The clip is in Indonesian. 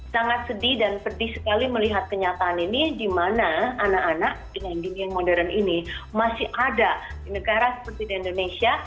sangat sedih dan pedih sekali melihat kenyataan ini di mana anak anak dengan dunia yang modern ini masih ada di negara seperti di indonesia